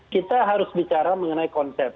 kita harus bicara mengenai konsep